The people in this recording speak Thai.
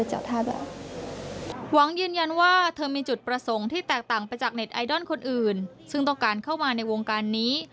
หวังยืนยันว่าเธอมีจุดประสงค์ที่แตกต่างไปจากเน็ตไอดอลคนอื่นซึ่งต้องการเข้ามาในวงการนี้